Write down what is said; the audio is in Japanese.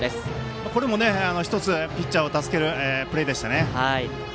これもピッチャーを助けるプレーでした。